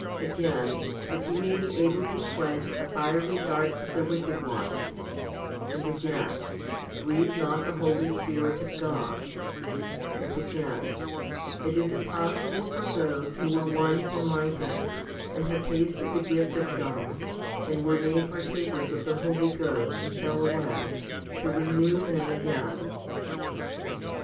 Again, That ye may be able to quench the fiery darts of the wicked one } Q and again, Grieve not the Holy Spirit of God, 7 and again, It is impossible for those who were once enlightened, and have tasted the gift of God, and were made partakers of the Holy Ghost, and fell away, to renew them again.